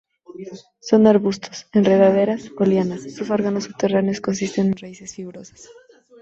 Son arbustos, enredaderas o lianas; sus órganos subterráneos consisten en raíces fibrosas.